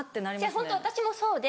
ホント私もそうで。